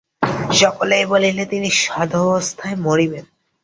সকলেই বলিল, তিনি সধবাবস্থায় মরিবেন।